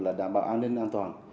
là đảm bảo an ninh an toàn